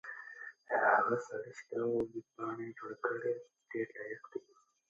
هغه سړی چې دا ویبپاڼه یې جوړه کړې ډېر لایق دی.